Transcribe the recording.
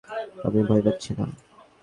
আমি ভয় পাচ্ছি না!